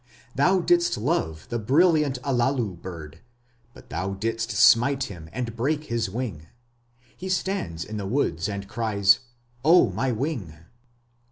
Thou didst love the brilliant Allalu bird But thou didst smite him and break his wing; He stands in the woods and cries "O my wing".